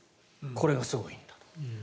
これがすごいんだと。